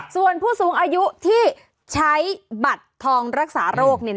ส่วนผู้สูงอายุที่ใช้บัตรทองรักษาโรค